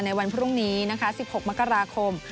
วันพรุ่งนี้นะคะ๑๖มกราคม